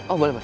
oh boleh pak